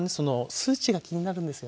数値が気になるんですよね。